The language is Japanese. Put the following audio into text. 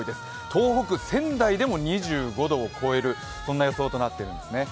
東北、仙台でも２５度を超える予想となっているんですね。